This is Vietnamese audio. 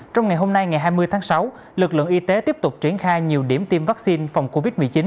trong ngày hôm nay ngày hai mươi tháng sáu lực lượng y tế tiếp tục triển khai nhiều điểm tiêm vaccine phòng covid một mươi chín